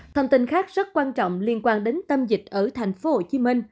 thông tin khác rất quan trọng liên quan đến tâm dịch ở tp hcm